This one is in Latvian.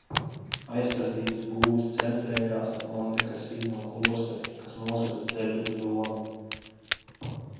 Aizsardzības būves centrējās ap Montekasīno klosteri, kas nosedza ceļu uz Romu.